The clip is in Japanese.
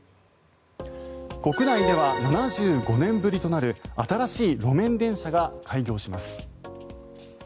国内では７５年ぶりとなる新しい路面電車が開業します。